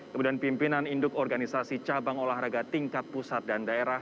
kemudian pimpinan induk organisasi cabang olahraga tingkat pusat dan daerah